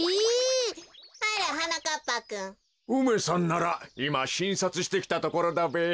梅さんならいましんさつしてきたところだべ。